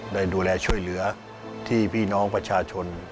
ได้ดูแลช่วยเหลือที่พี่น้องประชาชน